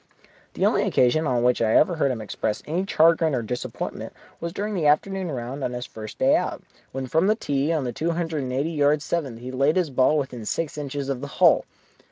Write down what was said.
The only occasion on which I ever heard him express any chagrin or disappointment was during the afternoon round on his first day out, when from the tee on the two hundred and eighty yard seventh he laid his ball within six inches of the hole.